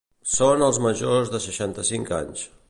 Són els majors de seixanta-cinc anys.